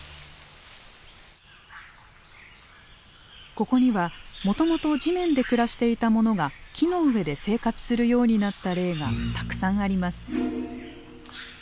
ここにはもともと地面で暮らしていた者が木の上で生活するようになった例がたくさんあります。